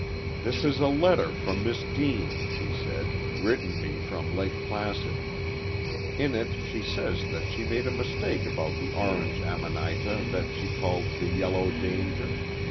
"This is a letter from Miss Deane," he said, "written me from Lake Placid. In it she says that she made a mistake about the Orange Amanita that she called the Yellow Danger.